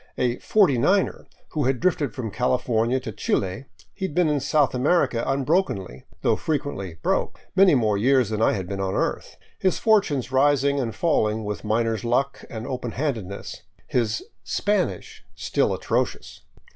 A " Forty niner " who had drifted from Cahfornia to Chile, he had been in South America unbrokenly — though frequently " broke "— many more years than I had been on earth, his fortunes rising and falling with miner's luck and open handedness, his " Spanish " still atrocious.